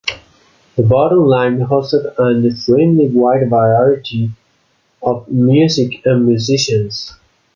The Bottom Line hosted an extremely wide variety of music and musicians.